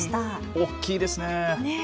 大きいですね。